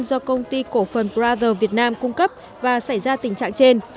do công ty cổ phần prote việt nam cung cấp và xảy ra tình trạng trên